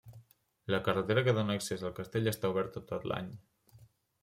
La carretera que dóna accés al castell està oberta tot l'any.